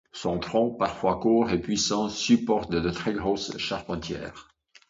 Son tronc parfois court et puissant supporte de très grosses charpentières.